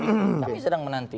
kami sedang menanti